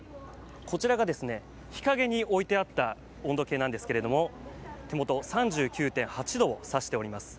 こちらが日陰に置いてあった温度計なんですけれども手元、３９．８度を指しています。